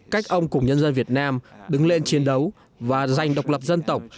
cách ông cùng nhân dân việt nam đứng lên chiến đấu và giành độc lập dân tộc